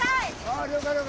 あ了解了解！